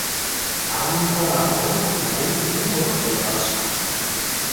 Abantu abo, bayivu oba tebaasoma?